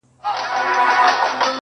چرگ دي يم حلالوه مي مه.